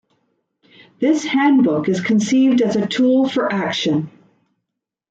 This Handbook is conceived as a tool for action.